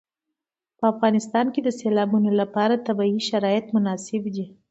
په افغانستان کې د سیلابونو لپاره طبیعي شرایط مناسب دي.